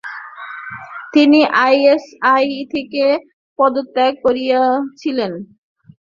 তিনি আইএসআই থেকে পদত্যাগ করেছিলেন।